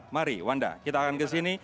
mari wanda kita akan kesini